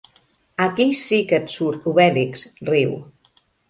Aquí sí que et surt Obèlix! —riu.